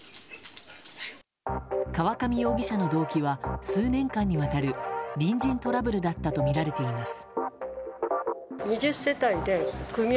河上容疑者の動機は数年間にわたる隣人トラブルだったとみられています。